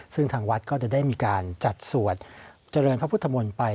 ซึ่งทางวัดก็จะได้มีการจัดสวดเจริญพระพุทธมนต์ไป